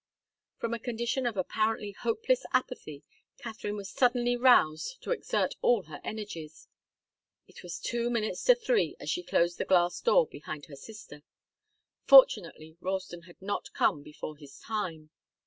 From a condition of apparently hopeless apathy, Katharine was suddenly roused to exert all her energies. It was two minutes to three as she closed the glass door behind her sister. Fortunately Ralston had not come before his time.